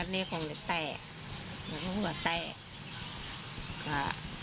นี่คงจะแตะ